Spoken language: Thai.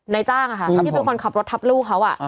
ในจ้างที่เป็นคนขับรถทับลูกเขา